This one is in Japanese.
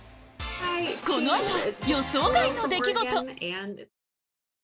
この後予想外の出来事！